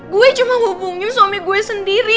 gue cuma hubungin suami gue sendiri